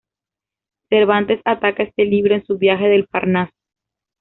Cervantes ataca este libro en su "Viaje del Parnaso".